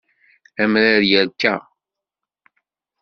Amrar yerka.